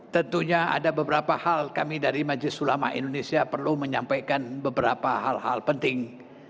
tentunya ada beberapa hal kami dari majlis ulama indonesia perlu menyampaikan beberapa hal hal penting